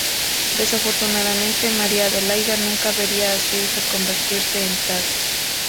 Desafortunadamente, María Adelaida nunca vería a su hija convertirse en tal.